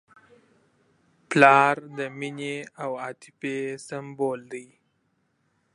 پلار د مینې او عاطفې سمبول دی.